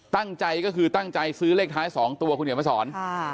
ตั้งใจก็คือตั้งใจซื้อเลขท้าย๒ตัวคุณเหนียวมาสอน